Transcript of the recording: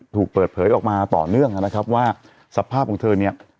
ถูกเปิดเผยออกมาต่อเนื่องนะครับว่าสภาพของเธอเนี่ย